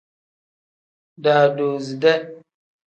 Daadoside.